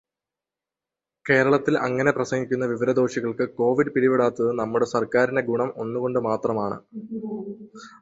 കേരളത്തിൽ അങ്ങനെ പ്രസംഗിക്കുന്ന വിവരദോഷികൾക്ക് കോവിഡ് പിടിപെടാത്തത് നമ്മുടെ സർക്കാരിന്റെ ഗുണം ഒന്നു കൊണ്ടു മാത്രമാണ്.